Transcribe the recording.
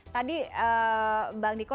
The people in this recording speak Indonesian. tadi mbak niko